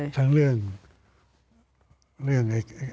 ทั้งเรื่อง